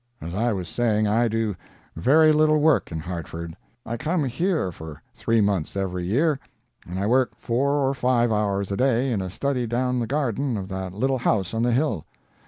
"As I was saying, I do very little work in Hartford. I come here for three months every year, and I work four or five hours a day in a study down the garden of that little house on the hill.